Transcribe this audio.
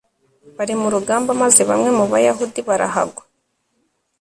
barema urugamba maze bamwe mu bayahudi barahagwa